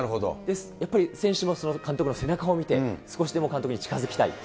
やっぱり選手も監督の背中を見て少しでも監督に近づきたい。